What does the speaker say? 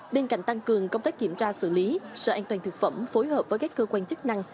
bên cạnh tăng cường công tác kiểm tra xử lý sở an toàn thực phẩm phối hợp với các cơ quan chức năng